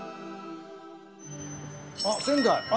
あっ仙台。